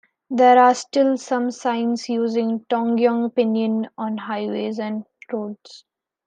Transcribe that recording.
There are still some signs using Tongyong Pinyin on highways and roads.